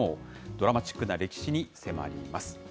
ドラマチックな歴史に迫ります。